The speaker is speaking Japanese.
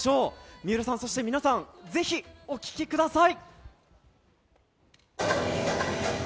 水卜さん、そして皆さん、ぜひ、お聴きください。